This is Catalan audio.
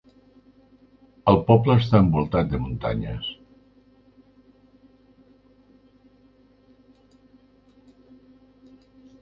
El poble està envoltat de muntanyes.